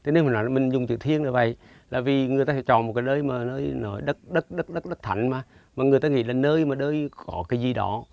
nếu mình dùng chữ thiên là vậy là vì người ta chọn một nơi đất thạnh mà người ta nghĩ là nơi có cái gì đó